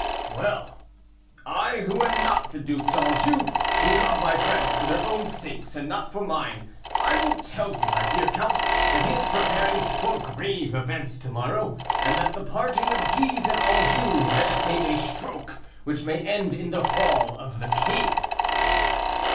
"Well! I, who am not the Duc d'Anjou, who love my friends for their own sakes, and not for mine, I will tell you, my dear count, that he is preparing for grave events to morrow, and that the parting of Guise and Anjou meditate a stroke which may end in the fall of the king."